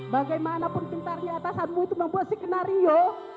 bagaimanapun cintanya atasanmu itu membuat sekenario